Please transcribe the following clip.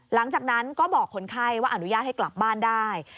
หลังจากนั้นก็บอกคนไข้ว่าอนุญาตให้กลับบ้านได้